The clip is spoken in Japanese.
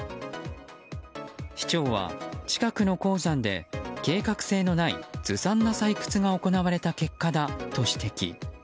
市長は、近くの鉱山で計画性のないずさんな採掘が行われた結果だと指摘。